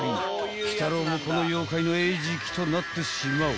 ［鬼太郎もこの妖怪の餌食となってしまう］